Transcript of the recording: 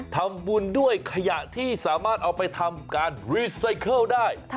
ทำบุญด้วยขยะที่สามารถเอาไปทำการรีไซเคิลได้